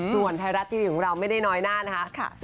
ส่วนไทยรัฐทีวีของเราไม่ได้น้อยหน้านะคะ